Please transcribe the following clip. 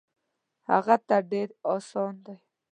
هغه ته ډېر اسان دی.